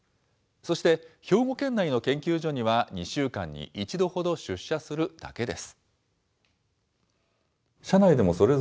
そして、兵庫県内の研究所には、２週間に１度ほど出社するだけです。